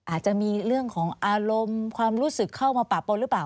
อาจจะมีเรื่องของอารมณ์ความรู้สึกเข้ามาปะปนหรือเปล่า